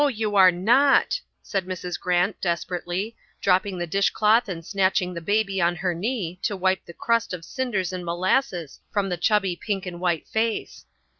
"No, you are not," said Mrs. Grant desperately, dropping the dishcloth and snatching the baby on her knee to wipe the crust of cinders and molasses from the chubby pink and white face.